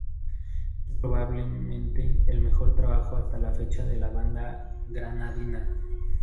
Es probablemente el mejor trabajo hasta la fecha de la banda granadina.